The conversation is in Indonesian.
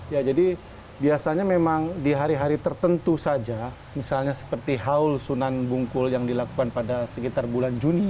ya jadi biasanya memang di hari hari tertentu saja misalnya seperti haul sunan bungkul yang dilakukan pada sekitar bulan juni